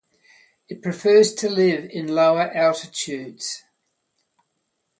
It prefers to live in lower altitudes.